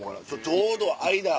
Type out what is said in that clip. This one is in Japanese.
ちょうど間。